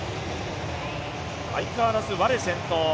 相変わらず、ワレ先頭。